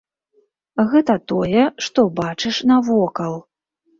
Гэта тое, што бачыш навокал.